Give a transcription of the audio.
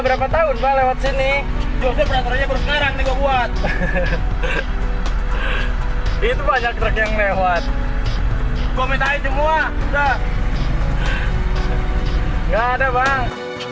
berapa tahun lewat sini itu banyak yang lewat gua minta ijum lu ah nggak ada bang